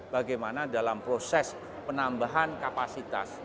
bagaimana dalam proses penambahan kapasitas